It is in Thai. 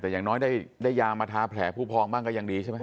แต่อย่างน้อยได้ยามาทาแผลผู้พองบ้างก็ยังดีใช่ไหม